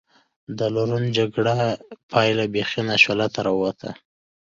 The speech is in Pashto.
د لورن جګړې پایله بېخي ناشولته را ووته.